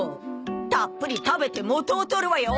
たっぷり食べて元を取るわよ！